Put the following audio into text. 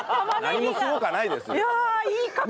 何もすごくはないですよ。